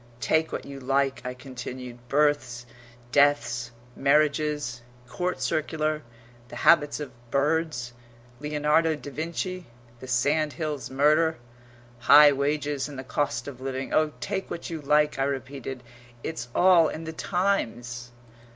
"Take what you like," I continued, "births, deaths, marriages, Court Circular, the habits of birds, Leonardo da Vinci, the Sandhills murder, high wages and the cost of living oh, take what you like," I repeated, "it's all in the Times!"